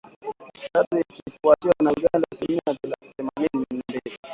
Tatu, ikifuatiwa na Uganda asilimia themanini na mbili.